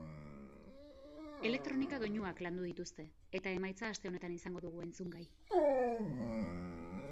Elektronika doinuak landu dituzte, eta emaitza aste honetan izango dugu entzungai.